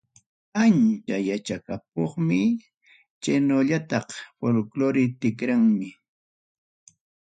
Ancha yachapakuqmi chaynallataq folkrore tikraqmi.